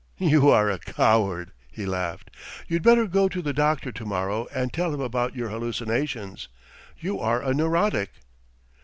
"You are a coward!" he laughed. "You'd better go to the doctor to morrow and tell him about your hallucinations. You are a neurotic!"